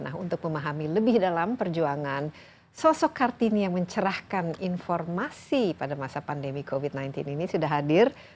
nah untuk memahami lebih dalam perjuangan sosok kartini yang mencerahkan informasi pada masa pandemi covid sembilan belas ini sudah hadir